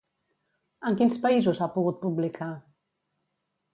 En quins països ha pogut publicar?